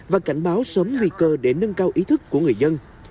và cảnh báo sớm nguy cơ để nâng cao ý thức của người dân